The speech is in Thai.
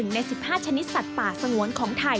ใน๑๕ชนิดสัตว์ป่าสงวนของไทย